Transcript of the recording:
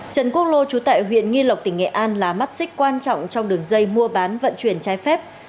trần quốc lô trú tại huyện nghi lộc tỉnh nghệ an là mắt xích quan trọng trong đường dây mua bán vận chuyển trái phép